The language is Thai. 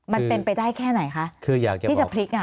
มันเป็นไปได้แค่ไหนคะที่จะพลิก